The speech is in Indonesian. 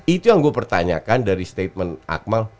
itu yang gue pertanyakan dari statement akmal